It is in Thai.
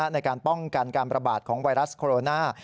ในการป้องกันการประบาดของไวรัสโคโรนา